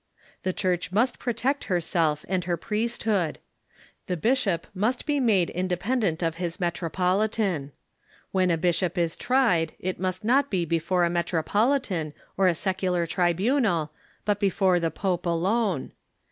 The Church must protect herself and her priesthood. The bishop must be made independent of his metropolitan. When a bishop is tried, it must not be before a metropolitan or a secular tribunal, but before the pope alone.